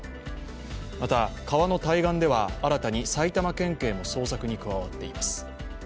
また川の対岸では新たに埼玉県警も捜索に加わっています。